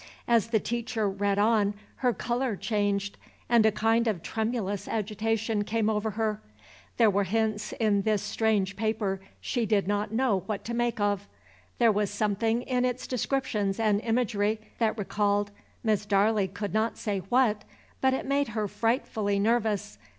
As the teacher read on, her color changed, and a kind of tremulous agitation came over her. There were hints in this strange paper she did not know what to make of. There was something in its descriptions and imagery that recalled, Miss Darley could not say what, but it made her frightfully nervous.